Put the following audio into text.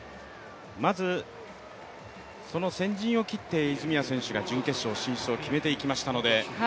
まず先陣を切って泉谷選手が準決勝進出を決めていきました。